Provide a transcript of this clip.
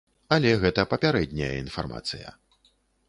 Але гэта папярэдняя інфармацыя.